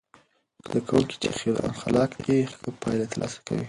زده کوونکي چې خلاق دي، ښه پایلې ترلاسه کوي.